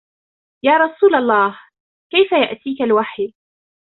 يَا رَسُولَ اللَّهِ، كَيْفَ يَأْتِيكَ الْوَحْيُ ؟